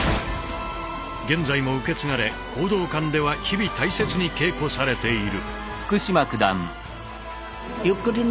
現在も受け継がれ講道館では日々大切に稽古されている。